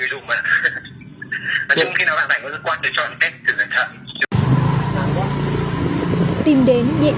đúng khi nào bạn phải có dự quan để chọn hết thời gian thẳng